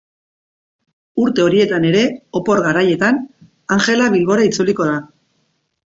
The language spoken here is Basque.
Urte horietan ere, opor garaietan, Angela Bilbora itzuliko da.